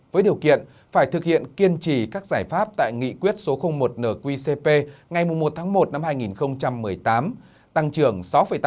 với điều kiện phải thực hiện kiên trì các giải pháp tại nghị quyết số một nqcp ngày một tháng một năm hai nghìn một mươi tám tăng trưởng sáu tám